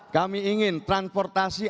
kami ingin transportasi